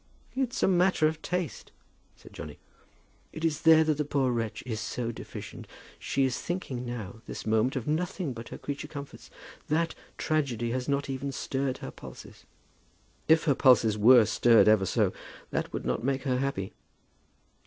"It's a matter of taste," said Johnny. "It is there that that poor wretch is so deficient. She is thinking now, this moment, of nothing but her creature comforts. That tragedy has not even stirred her pulses." "If her pulses were stirred ever so, that would not make her happy."